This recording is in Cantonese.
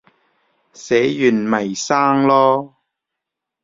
死完咪生囉